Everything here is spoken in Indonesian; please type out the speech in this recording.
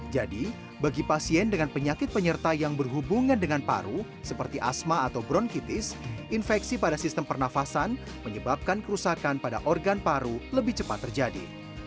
jadi bagi pasien dengan penyakit penyerta yang berhubungan dengan paru seperti asma atau bronkitis infeksi pada sistem pernafasan menyebabkan kerusakan pada organ paru lebih cepat terjadi